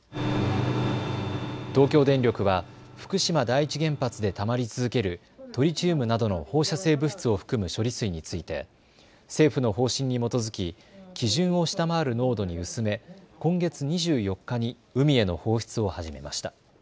東京電力は福島第一原発でたまり続けるトリチウムなどの放射性物質を含む処理水について政府の方針に基づき基準を下回る濃度に薄め今月２４日に海への放出を始めました。